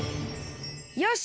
よし！